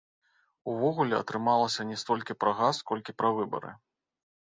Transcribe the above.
Увогуле атрымалася не столькі пра газ, колькі пра выбары.